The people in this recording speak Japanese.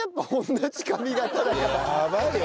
やばいよ